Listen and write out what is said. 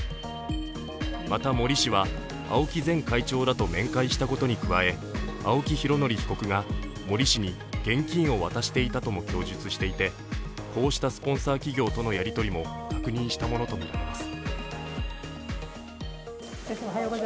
また、森氏は、ＡＯＫＩ前会長らと面会したことに加え青木拡憲被告が森氏に現金を渡したとも供述していて、こうしたスポンサー企業とのやり取りも確認したものとみられます。